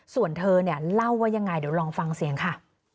ส่วนเธอเนี่ยเล่าว่ายังไงเดี๋ยวลองฟังเสียงค่ะ